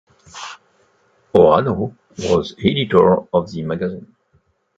Orano was editor of the magazine.